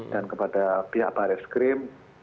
kepada pihak baris krim